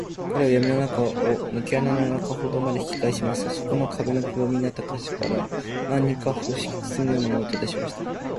彼はやみの中を、ぬけ穴の中ほどまで引きかえしますと、そこの壁のくぼみになった個所から、何かふろしき包みのようなものを、とりだしました。